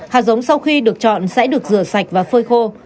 hạt giống sau khi được chọn sẽ được rửa sạch và phơi khô